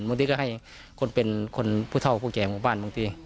บางทีก็ให้ผู้เท่ากับผู้แก่บ้าน